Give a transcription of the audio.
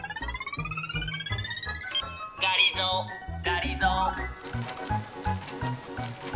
がりぞーがりぞー。